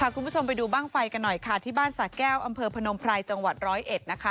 คุณผู้ชมไปดูบ้างไฟกันหน่อยค่ะที่บ้านสะแก้วอำเภอพนมไพรจังหวัดร้อยเอ็ดนะคะ